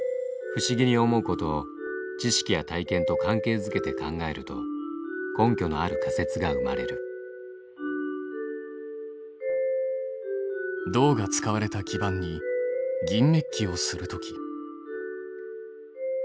不思議に思うことを知識や体験と関係づけて考えると根拠のある仮説が生まれる銅が使われた基板に銀メッキをするとき。